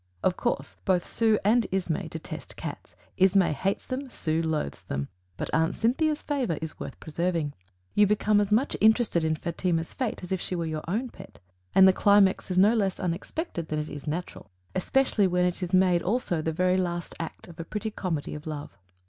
Of course both Sue and Ismay detest cats; Ismay hates them, Sue loathes them; but Aunt Cynthia's favor is worth preserving. You become as much interested in Fatima's fate as if she were your own pet, and the climax is no less unexpected than it is natural, especially when it is made also the last act of a pretty comedy of love.